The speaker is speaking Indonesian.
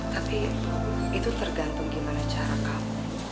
tapi itu tergantung gimana cara kamu